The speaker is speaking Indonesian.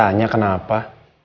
kau pake tanya kenapa